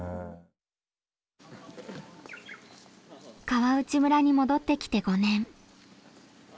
川内村に戻ってきて５年。